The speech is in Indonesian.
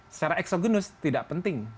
secara exogenus tidak penting